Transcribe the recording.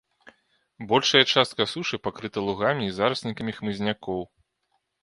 Большая частка сушы пакрыта лугамі і зараснікамі хмызнякоў.